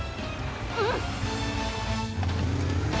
うん！